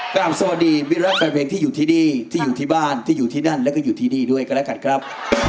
กลับสวัสดีวิรัติแฟนเพลงที่อยู่ที่นี่ที่อยู่ที่บ้านที่อยู่ที่นั่นแล้วก็อยู่ที่นี่ด้วยกันแล้วกันครับ